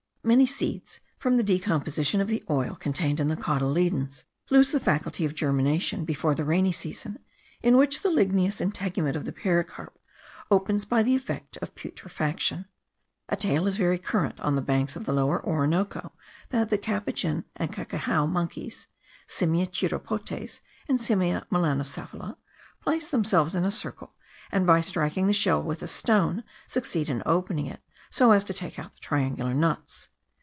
Many seeds, from the decomposition of the oil contained in the cotyledons, lose the faculty of germination before the rainy season, in which the ligneous integument of the pericarp opens by the effect of putrefaction. A tale is very current on the banks of the Lower Orinoco, that the capuchin and cacajao monkeys (Simia chiropotes, and Simia melanocephala) place themselves in a circle, and, by striking the shell with a stone, succeed in opening it, so as to take out the triangular nuts.